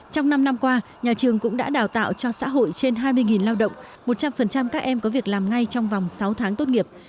trong năm năm qua nhà trường cũng đã đào tạo cho xã hội trên hai mươi lao động một trăm linh các em có việc làm ngay trong vòng sáu tháng tốt nghiệp